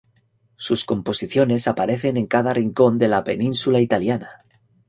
Sus composiciones aparecen en cada rincón de la península italiana.